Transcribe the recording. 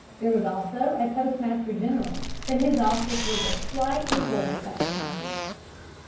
There was also a Postmaster General. But his office was of slight importance at the time.